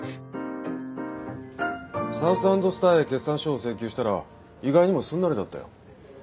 サウス＆スターへ決算書を請求したら意外にもすんなりだったよ。